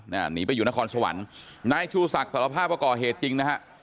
หนีไปอยู่นครสวรรค์นายชูศักดิ์สารภาพว่าก่อเหตุจริงนะฮะ